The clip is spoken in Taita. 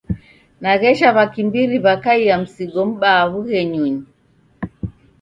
Naghesha w'akimbiri w'akaia msigo m'baa w'ughenyunyi.